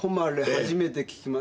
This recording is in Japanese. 初めて聞きました。